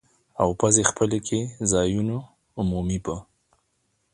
او پزې خپلې کې ځایونو عمومي په